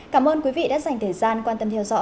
cảm ơn quý vị đã dành thời gian quan tâm